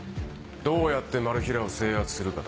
どうやってマル被らを制圧するかだ。